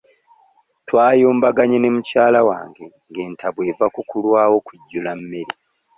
Twayombaganye ne mukyala wange nga entabwe eva kukulwawo kujjula mmere.